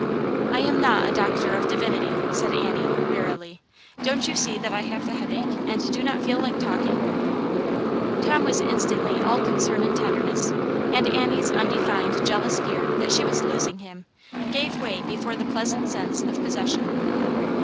I am not a doctor of divinity," said Annie, wfearily. " Don't you see that I have the headache, and do not feel like talking ?" Tom was instantly all concern and tenderness, and Annie's undefined, jealous fear that she was losing him, gave way before the pleasant sense of possession.